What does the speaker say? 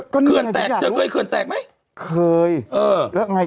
เขื่อนแตกเธอเคยเขื่อนแตกไหม